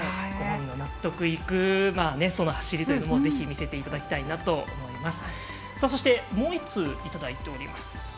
納得いく走りをぜひ見せていただきたいなと思います。